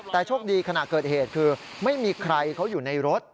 แต่โชคดีขณะเกิดเหตุคือไม่มีใครเขาอยู่ในรถ